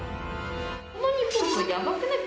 この日本刀やばくない？